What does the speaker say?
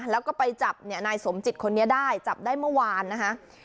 แล้วก็ไปจับนายสมจิตคนนี้ได้จับได้เมื่อวานนะคะ